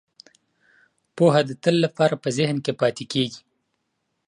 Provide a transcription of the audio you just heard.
پوهه د تل لپاره په ذهن کې پاتې کیږي.